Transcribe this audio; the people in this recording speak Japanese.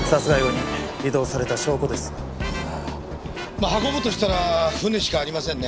まあ運ぶとしたら船しかありませんね。